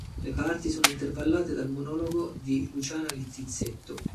Le parti sono intervallate dal monologo di Luciana Littizzetto.